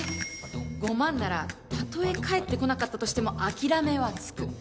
５万ならたとえ返ってこなかったとしても諦めはつく。